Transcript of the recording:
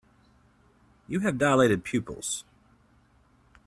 You have dilated pupils.